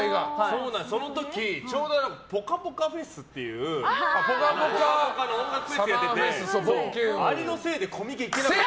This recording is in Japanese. その時、ちょうどぽかぽかＦＥＳっていう「ぽかぽか」の音楽フェスやっててあれのせいでコミケ行けなかった。